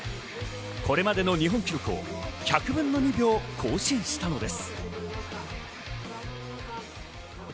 これまでの日本記録を１００分の２秒、更新したのです。